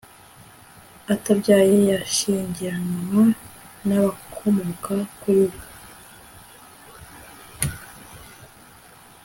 atabyaye yashyingiranwa n abakomoka kuri we